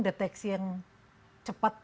deteksi yang cepat